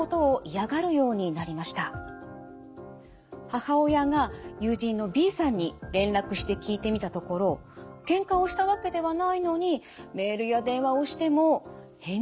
母親が友人のＢさんに連絡して聞いてみたところけんかをしたわけではないのにメールや電話をしても返事をくれないそうです。